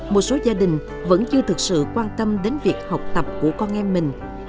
một số gia đình vẫn chưa thực sự quan tâm đến việc học tập của con em mình